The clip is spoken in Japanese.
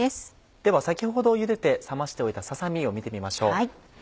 では先ほどゆでて冷ましておいたささ身を見てみましょう。